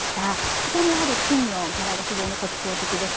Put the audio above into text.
こちらも金の柄が非常に特徴的です。